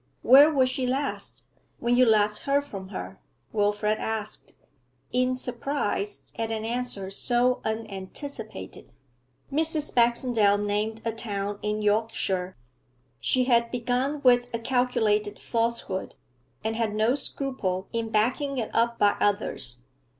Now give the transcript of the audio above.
'Where was she last when you last heard from her?' Wilfrid asked, in surprise at an answer so unanticipated. Mrs. Baxendale named a town in Yorkshire. She had begun with a calculated falsehood, and had no scruple in backing it up by others.